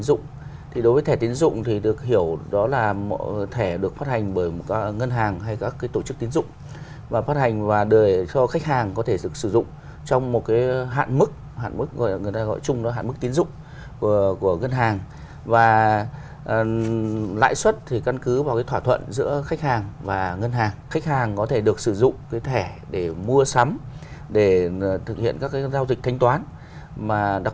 xin chào chương trình xin chào quý vị khán giả